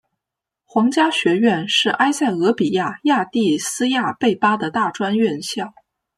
皇家学院是埃塞俄比亚亚的斯亚贝巴的大专院校。